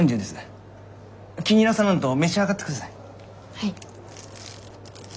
はい。